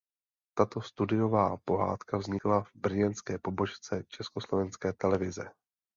Tato studiová pohádka vznikla v brněnské pobočce Československé televize.